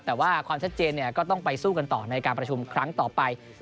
แต่ว่าความชัดเจนก็ต้องไปสู้กันต่อในการประชุมครั้งต่อไป